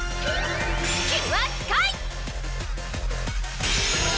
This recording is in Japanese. キュアスカイ！